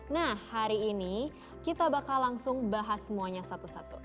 nah hari ini kita bakal langsung bahas semuanya satu satu